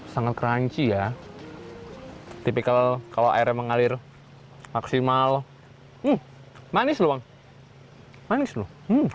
sangat crunchy ya tipikal kalau airnya mengalir maksimal manis loh bang manis loh